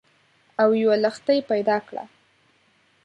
او یوه لښتۍ پیدا کړه